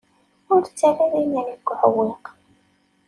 Ur ttarra ara iman-ik deg uɛewwiq.